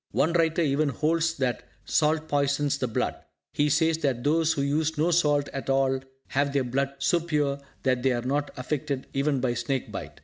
One writer even holds that salt poisons the blood. He says that those who use no salt at all have their blood so pure that they are not affected even by snake bite.